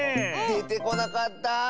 でてこなかった。